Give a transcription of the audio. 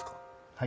はい。